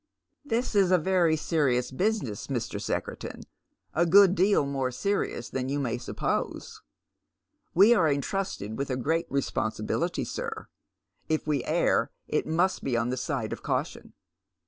"This is a very serious business, Mr. Secretan, a good deal more serious than you may suppose. We are entrusted with a great responsibility, sir. If we err it must be on the side of caution."